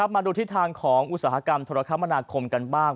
มาดูทิศทางของอุตสาหกรรมธุรกรรมนาคมกันบ้าง